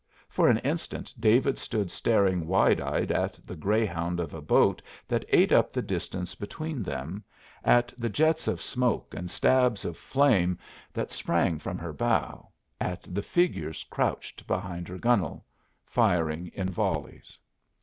For an instant David stood staring wide eyed at the greyhound of a boat that ate up the distance between them, at the jets of smoke and stabs of flame that sprang from her bow, at the figures crouched behind her gunwale, firing in volleys.